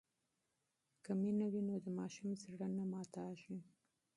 که مینه وي نو د ماشوم زړه نه ماتېږي.